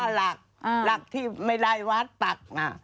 หลักที่ไม่ได้วัดปัก